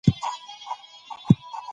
د مېلو له امله د خلکو ترمنځ دوستي پراخېږي.